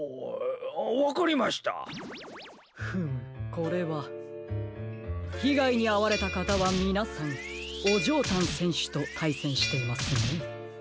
これはひがいにあわれたかたはみなさんオジョータンせんしゅとたいせんしていますね。